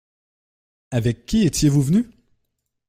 Avec qui étiez-vous venu ?